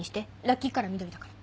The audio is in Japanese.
ラッキーカラー緑だから。